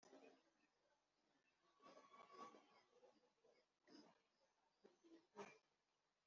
ishyirahamwe kimwe n abaryinjiramo